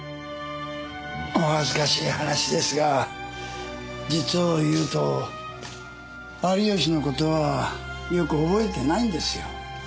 お恥ずかしい話ですが実を言うと有吉のことはよく憶えてないんですよ。